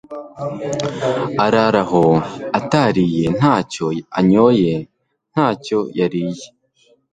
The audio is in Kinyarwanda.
arara aho atariye, nta cyo anyoye, nta cyo yariye